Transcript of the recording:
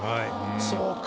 そうか。